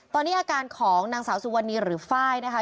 ตอนนี้อาการของนางสาวสุวรรณีหรือไฟล์นะคะ